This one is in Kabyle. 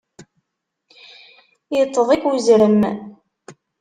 Iṭṭeḍ-ik uzrem.